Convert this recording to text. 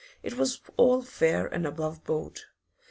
It was all fair and above board.